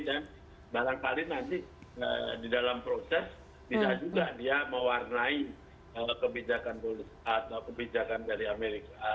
dan barangkali nanti di dalam proses bisa juga dia mewarnai kebijakan dari amerika